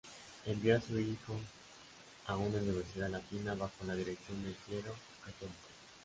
Envió a su hijo a una universidad latina bajo la dirección del clero católico.